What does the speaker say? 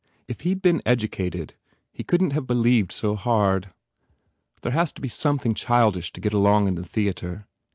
... If he d been educated, he couldn t have believed so hard. ... There has to be some thing childish to get along in the theatre.